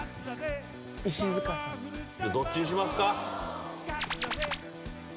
どっちにしますか？